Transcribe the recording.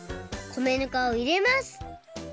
米ぬかをいれます